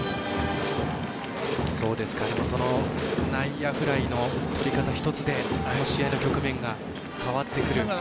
その内野フライのとり方ひとつでこの試合の局面が変わってくる。